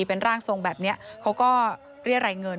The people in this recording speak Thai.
เป็นร่างทรงแบบนี้เขาก็เรียรายเงิน